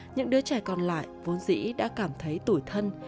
những đứa trẻ còn lại vốn dĩ đã cảm thấy tuổi thân